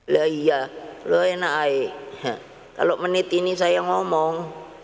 lah iya lo enak aja kalau menit ini saya ngomong